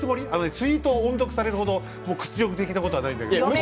ツイートを音読されるほど屈辱的なものはないですよ。